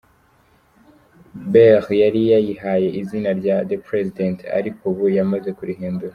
Bere yari yayihaye izina rya "The President" ariko ubu yamaze kurihindura.